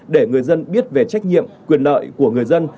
để người dân biết về trách nhiệm quyền lợi của người dân